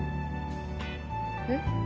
えっ？